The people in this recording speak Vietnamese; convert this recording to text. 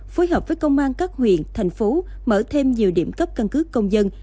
phối hợp với công an các huyện thành phố mở thêm nhiều điểm cấp căn cước công dân